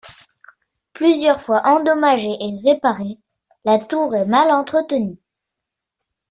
Plusieurs fois endommagée et réparée, la tour est mal entretenue.